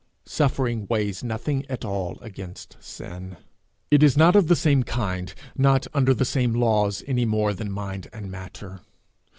Suffering weighs nothing at all against sin. It is not of the same kind, not under the same laws, any more than mind and matter.